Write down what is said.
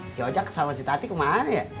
si ojak sama si tati kemarin ya